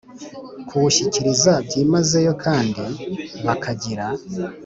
Kuwushyigikira byimazeyo kandi bakagira